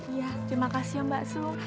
iya terima kasih ya mbak sum